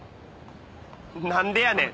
何でやねん。